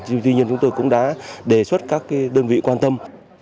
nhưng tuy nhiên chúng tôi cũng đã đề xuất các đơn vị quan tâm